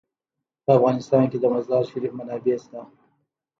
په افغانستان کې د مزارشریف منابع شته.